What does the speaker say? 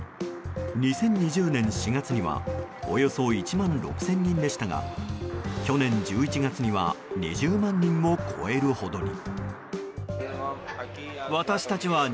２０２０年４月にはおよそ１万６０００人でしたが去年１１月には２０万人を超えるほどに。